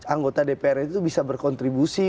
anggota dpr itu bisa berkontribusi